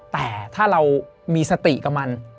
แต่ถ้าเรามีสติกับมัน